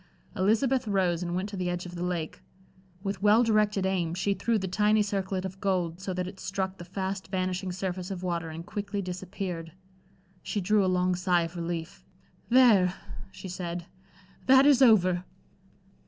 Elizabeth rose and went to the edge of the lake. With well directed aim, she threw the tiny circlet of gold so that it struck the fast vanishing surface of water and quickly disappeared. She drew a long sigh of relief. "There," she said, "that is over."